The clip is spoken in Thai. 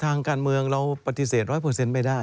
ทางการเมืองเราปฏิเสธร้อยเปอร์เซ็นต์ไม่ได้